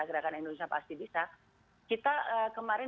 gerakan indonesia pasti bisa kita kemarin